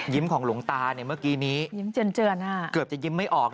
ยิ้มของหลวงตาเมื่อกี้นี้เกือบจะยิ้มไม่ออก